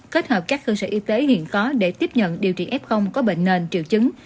kết hợp các cơ sở y tế hiện có để tiếp nhận điều trị f có bệnh nền triệu chứng